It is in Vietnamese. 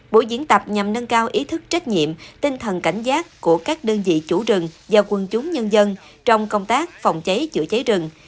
bộ diễn tập nhằm nâng cao ý thức trách nhiệm tinh thần cảnh giác của các đơn vị chủ rừng và quân chúng nhân dân trong công tác phòng cháy chữa cháy rừng